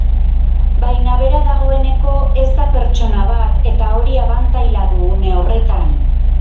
Baina bera dagoeneko ez da pertsona bat eta hori abantaila du une horretan.